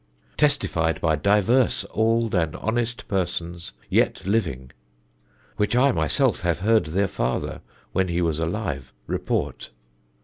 "Testified by diverse oulde and honest persons yet living; which I myself have heard their father, when he was alive, report.